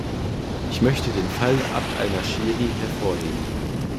Ich möchte den Fall Abd al-Nashiri hervorheben.